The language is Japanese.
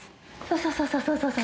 そうそうそうそう。